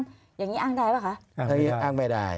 เท่ากันแต่วิ่งในซอยมันไม่อันตราย